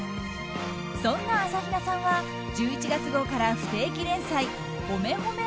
そんな朝比奈さんは１１月号から不定期連載褒め